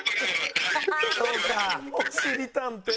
おしりたんてい。